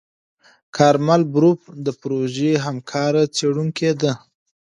کارمل بروف د پروژې همکاره څېړونکې ده.